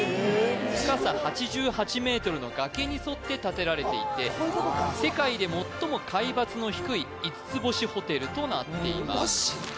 深さ８８ｍの崖に沿って建てられていて世界で最も海抜の低い五つ星ホテルとなっています